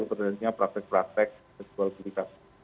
sebenarnya praktek praktek jual beli perkara